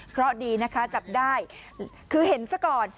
เพราะดีนะคะจับได้คือเห็นซะก่อน